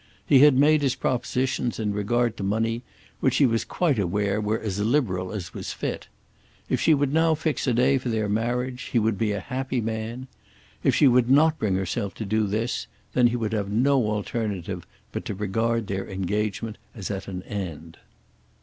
He had made his propositions in regard to money which he was quite aware were as liberal as was fit. If she would now fix a day for their marriage, he would be a happy man. If she would not bring herself to do this, then he would have no alternative but to regard their engagement as at an end.